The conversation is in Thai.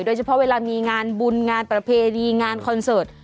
เวลามีงานบุญงานประเพณีงานคอนเสิร์ต